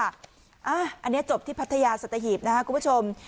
อันนี้จบที่พัทยาสัตหีบนะครับคุณผู้ชม